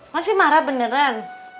masih marah beneran